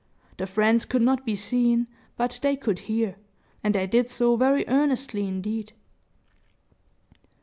The friends could not be seen, but they could hear, and they did so very earnestly indeed.